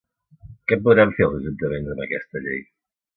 Què podran fer els ajuntaments amb aquesta llei?